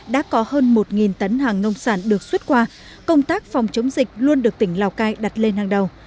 đã có hơn một tấn hàng nông sản được xuất qua công tác phòng chống dịch luôn được tỉnh lào cai đặt lên hàng đầu